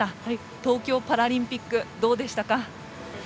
東京パラリンピックどうでしたか？